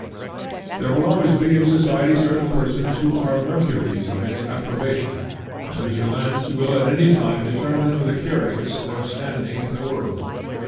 There will always be in society certain persons who are mercuries of its approbation, and whose glance will at any time determine for the curious their standing in the world.